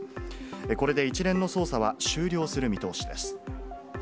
これで一連の捜査は終了する見通